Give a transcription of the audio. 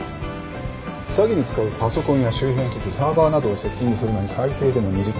詐欺に使うパソコンや周辺機器サーバーなどをセッティングするのに最低でも２時間。